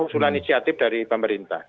usulan inisiatif dari pemerintah